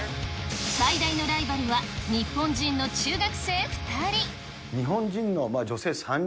最大のライバルは日本人の中学生２人。